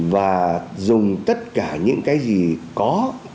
và dùng tất cả những cái gì có